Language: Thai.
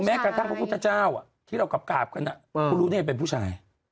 กระทั่งพระพุทธเจ้าที่เรากราบกันคุณรู้นี่ยังเป็นผู้ชาย